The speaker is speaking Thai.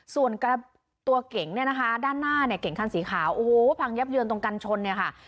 ส่วนตัวเก่งเนี่ยนะคะด้านหน้าเนี่ยเก่งคันสีขาวโอ้โหพังยับเยินตรงกันชนเนี่ยค่ะ